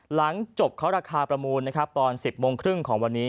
หลังจบเขาราคาประมูลนะครับตอน๑๐โมงครึ่งของวันนี้